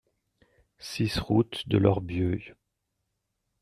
six route de l'Orbieu